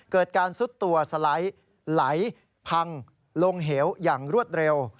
เกิดการซุดตัวสไลด์ไหลพังลงเหวอย่างรวดเร็ว